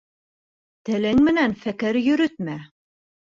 Телең менән фекер йөрөтмә